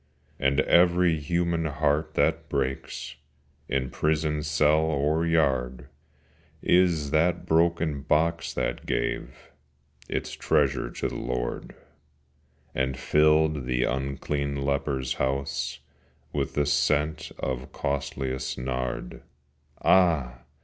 And every human heart that breaks, In prison cell or yard, Is as that broken box that gave Its treasure to the Lord, And filled the unclean leper's house With the scent of costliest nard. Ah!